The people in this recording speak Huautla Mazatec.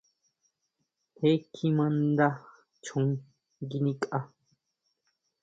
Je kjima nda chon nguinikʼa.